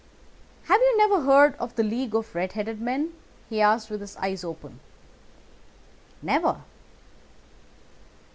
"'Have you never heard of the League of the Red headed Men?' he asked with his eyes open. "'Never.